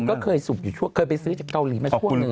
ก็เคยสุกอยู่ช่วงเคยไปซื้อจากเกาหลีมาช่วงหนึ่ง